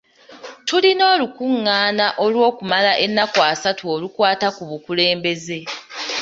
Tulina olukungaana olw'okumala ennaku essatu olukwata ku bukulembeze.